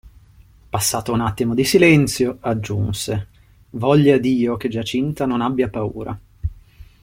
Passato un attimo di silenzio, aggiunse: "Voglia Dio che Giacinta non abbia paura.".